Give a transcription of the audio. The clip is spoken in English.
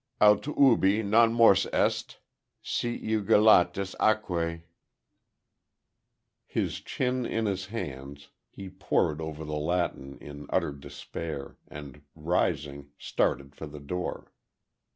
Aut ubi non mors est, si iugulatis aquae? His chin in his hands, he pored over the Latin in utter despair, and rising, started for the door.